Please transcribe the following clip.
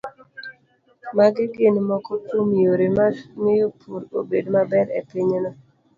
Magi gin moko kuom yore mag miyo pur obed maber e pinyno